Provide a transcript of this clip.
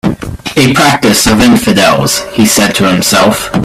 "A practice of infidels," he said to himself.